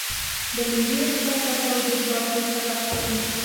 د ملي احساساتو او جذباتو په رپ کې.